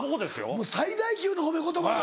もう最大級の褒め言葉だ！